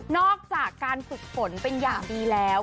อกจากการฝึกฝนเป็นอย่างดีแล้ว